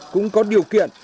cũng có điều kiện